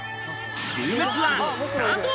ルームツアースタート。